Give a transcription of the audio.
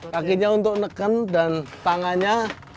kakinya untuk neken dan tangannya